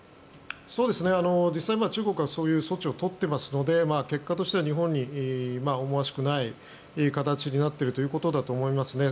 実際、中国はそういう措置を取っていますので結果としては日本に思わしくない形になっているということだと思います。